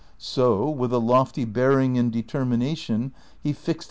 So with a lofty bear ing and determination he fixed hini.